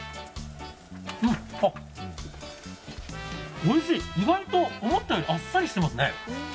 あっおいしい、意外と思ったよりあっさりしてますね。